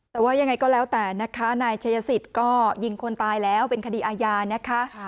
แต่ว่ายังไงก็แล้วแต่นะคะนายชัยสิทธิ์ก็ยิงคนตายแล้วเป็นคดีอาญานะคะ